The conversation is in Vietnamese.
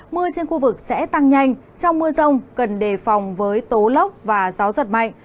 mưa trên khu vực sẽ tăng nhanh trong mưa rông cần đề phòng với tố lốc và gió giật mạnh